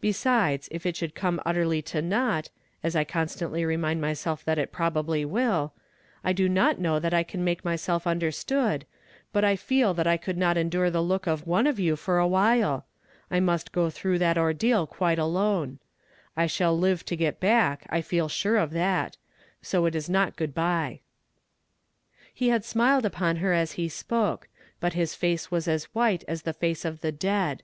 Besides, if it should come utterly to laught, as I constantly remind myself that it probably will — I do not know that I can make myself undei stood, but I feel that I could not endure che look of one of you, for a while ; I must go through that ordeal quite alona I shall live to get back, I feel sure of that ; so it is not good by." He had smiled upon her as he spoke, but his face was as white as the face of the dead.